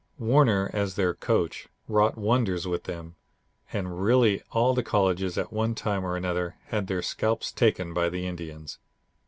Warner, as their coach, wrought wonders with them, and really all the colleges at one time or another had their scalps taken by the Indians.